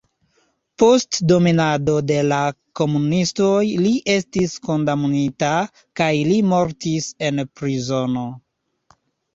Post dominado de la komunistoj li estis kondamnita kaj li mortis en prizono.